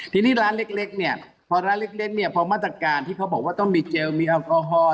ทีนี้ร้านเล็กพอมาตรการที่เขาบอกว่าต้องมีเจลมีอัลกอฮอล์